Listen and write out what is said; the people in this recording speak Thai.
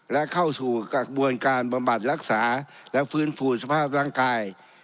และเข้าสู่กระบวนการบำบัดรักษาและฟื้นฟูสภาพร่างกาย